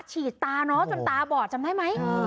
ฉีดตาน้องจนตาบอดจำได้ไหม